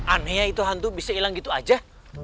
anehnya itu hantu bisa hilang gitu aja